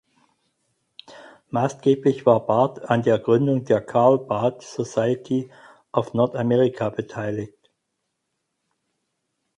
Maßgeblich war Barth an der Gründung der Karl Barth Society of North America beteiligt.